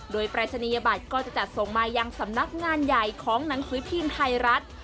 โดยปรายศนียบัตรก็จะจัดส่งมายังสำนักงานใหญ่ของหนังสือพิมพ์ไทยรัฐ